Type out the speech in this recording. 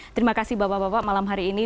terima kasih bapak bapak malam hari ini